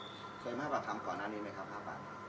เคยมากกว่าทำก่อนหน้านี้ไหมครับ๕บาท